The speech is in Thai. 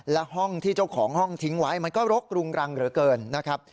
และห้องที่เจ้าของห้องทิ้งไว้มันก็รกรุงรังเหลือเกินนะครับ